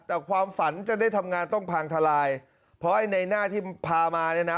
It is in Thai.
แต่ความฝันจะได้ทำงานต้องพังทลายเพราะไอ้ในหน้าที่พามาเนี่ยนะ